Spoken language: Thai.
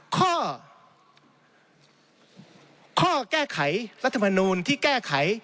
ข้อข้อแก้ไขรัฐมนูลที่แก้ไข